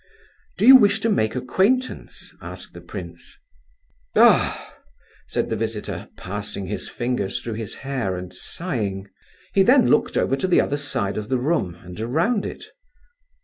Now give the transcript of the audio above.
"Do you wish to make acquaintance?" asked the prince. "Ah!" said the visitor, passing his fingers through his hair and sighing. He then looked over to the other side of the room and around it.